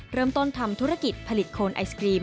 เริ่มต้นทำธุรกิจผลิตโคนไอศกรีม